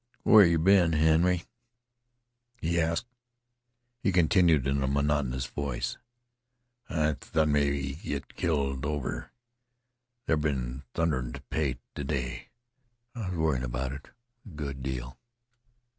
"Where yeh been, Henry?" he asked. He continued in a monotonous voice, "I thought mebbe yeh got keeled over. There 's been thunder t' pay t' day. I was worryin' about it a good deal."